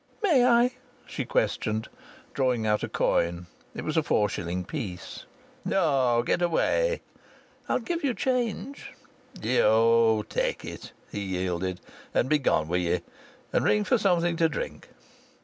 "May I?" she questioned, drawing out a coin. It was a four shilling piece. "No. Get away." "I'll give you change." "Oh! take it," he yielded, "and begone with ye, and ring for something to drink."